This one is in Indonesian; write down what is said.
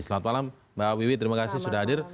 selamat malam mbak wiwi terima kasih sudah hadir